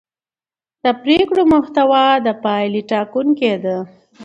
د پرېکړو محتوا د پایلې ټاکونکې ده